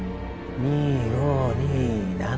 ２５２７